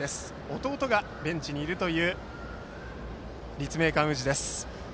弟がベンチにいるという立命館宇治です。